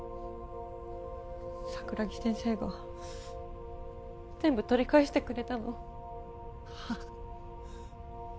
桜木先生が全部取り返してくれたのはっ？